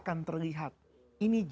maka kita bisa berpikir